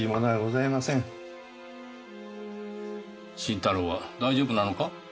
新太郎は大丈夫なのか？